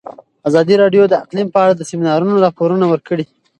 ازادي راډیو د اقلیم په اړه د سیمینارونو راپورونه ورکړي.